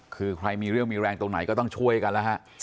คือใครมีเรื่องมีแรงตรงไหนก็ต้องช่วยกันแล้วฮะ